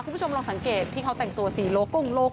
คุณผู้ชมลองสังเกตที่เขาแต่งตัว๔โลกกุ้งโลก